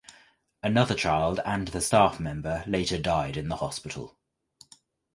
Another child and the staff member later died in the hospital.